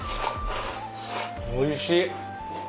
おいしい。